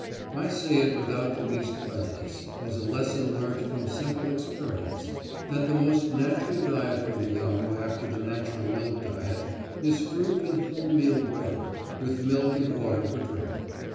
I say it without the least prejudice, as a lesson learnt from simple experience, that the most natural diet for the young, after the natural milk diet, is fruit and wholemeal bread, with milk and water for drink.